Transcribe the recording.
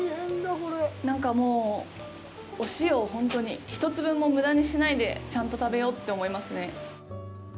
なんかもう、お塩をほんとに一粒も無駄にしないでちゃんと食べようって思いますね。